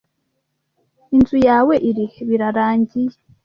"Inzu yawe iri he?" "Birarangiye."